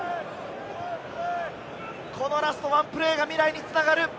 ラストワンプレーが未来に繋がる！